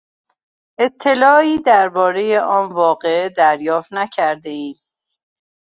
اطلاعی دربارهی آن واقعه دریافت نکردهایم.